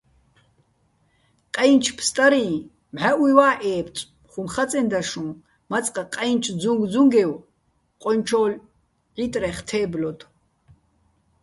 "ყაჲნჩო̆ ფსტარიჼ მჵაჸუჲვა́ ე́ბწო̆," - ხუმ ხაწენდა შუჼ, მაწყ ყაჲნჩო́ ძუნგძუნგევ ყონჩო́ ჺიტრეხ თე́ბლოდო̆.